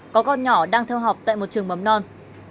có con nhỏ đang theo học tại một trường mầm non